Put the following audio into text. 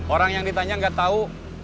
orang yang ditanya gak tau